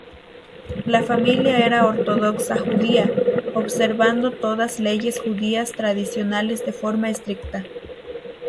La familia era ortodoxa judía, observando todas leyes judías tradicionales de forma estricta.